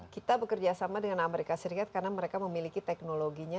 kita bekerja sama dengan amerika serikat karena mereka memiliki teknologinya